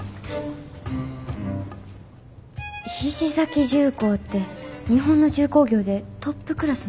菱崎重工って日本の重工業でトップクラスの会社やんな。